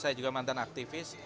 saya juga mantan aktivis